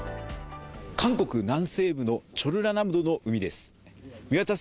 韓国南西部のチョルラナムドの海です。